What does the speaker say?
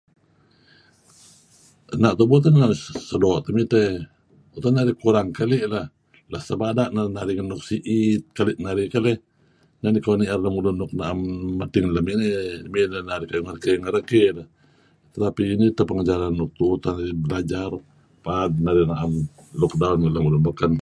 Ena' tupu teh inan narih sedoo' temidteh utak nuk kurang keli' narih la' sebada' neh narih ngen nuk si'it keli' narih, neh nikoh ni'er lemulun nuk na'em medting lem ineh eh narih ngeregki-ngeregki deh, tapi nih edtah pengejaran paad narih na'em look down on lun beken.